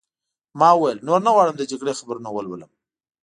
ما وویل: نور نه غواړم د جګړې خبرونه ولولم.